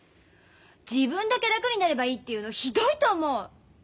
自分だけ楽になればいいっていうのひどいと思う！